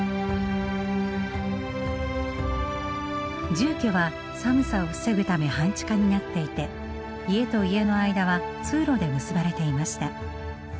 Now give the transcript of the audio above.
住居は寒さを防ぐため半地下になっていて家と家の間は通路で結ばれていました。